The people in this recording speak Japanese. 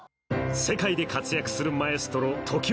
世界で活躍するマエストロ